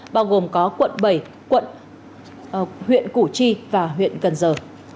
bao gồm có quận bảy quận huyện củ chi và huyện cần giờ